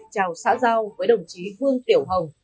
chào xã giao với đồng chí hương tiểu hồng